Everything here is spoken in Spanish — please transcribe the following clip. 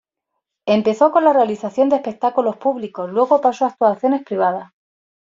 Empezó con la realización de espectáculos públicos, luego pasó a actuaciones privadas.